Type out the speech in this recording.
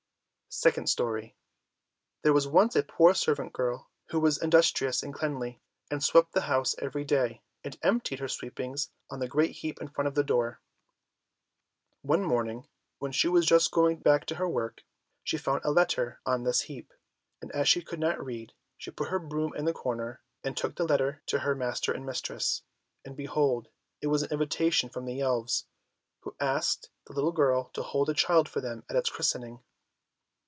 SECOND STORY There was once a poor servant girl, who was industrious and cleanly, and swept the house every day, and emptied her sweepings on the great heap in front of the door. One morning when she was just going back to her work, she found a letter on this heap, and as she could not read, she put her broom in the corner, and took the letter to her master and mistress, and behold it was an invitation from the elves, who asked the girl to hold a child for them at its christening.